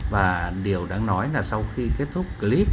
và điều đáng nói là sau khi kết thúc clip